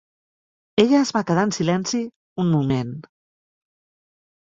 Ella es va quedar en silenci un moment.